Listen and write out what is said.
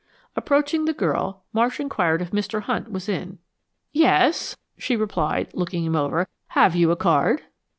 Approaching the girl, Marsh inquired if Mr. Hunt was in. "Yes," she replied, looking him over. "Have you a card?"